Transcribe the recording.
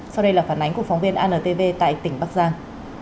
sau đây là phản ánh của phóng viên antv tại tỉnh bắc giang